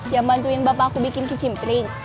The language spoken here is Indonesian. yang bantuin bapak aku bikin kecimpring